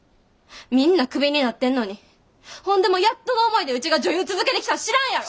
みんなクビになってんのにほんでもやっとの思いでうちが女優続けてきたん知らんやろ！